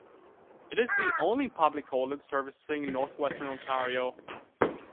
It is the only public college servicing Northwestern Ontario.